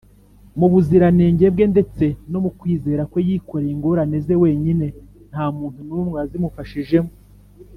Mu buziranenge bwe ndetse no mu kwizera kwe, Yikoreye ingorane Ze wenyine, nta muntu n’umwe wazimufashijemo.